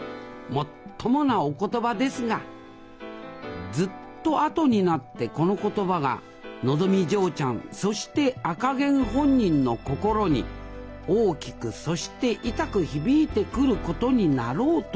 もっともなお言葉ですがずっと後になってこの言葉がのぞみ嬢ちゃんそして赤ゲン本人の心に大きくそして痛く響いてくることになろうとは。